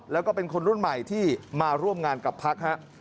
แล้วก็เป็นคนรุ่นใหม่ที่มาร่วมงานกับพักฮะ